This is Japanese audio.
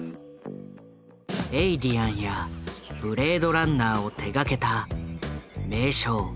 「エイリアン」や「ブレードランナー」を手がけた名匠